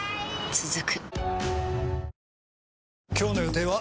続く今日の予定は？